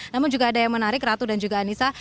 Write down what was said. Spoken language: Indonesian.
namun juga ada yang menarik ratu dan juga anissa